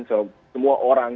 jadi semua orang